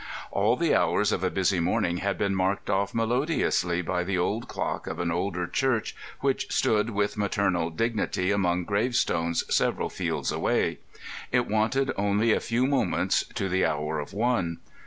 All the hours of a busy morning had been marked off melodiously by the old clock of an older church which stood with maternal dignity among gravestones several fields away. It wanted only a few moments to the hour of one.